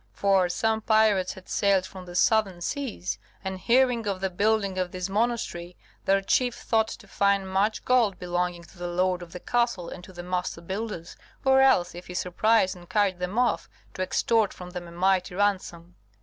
For some pirates had sailed from the southern seas, and, hearing of the building of this monastery, their chief thought to find much gold belonging to the lord of the castle and to the master builders, or else, if he surprised and carried them off, to extort from them a mighty ransom.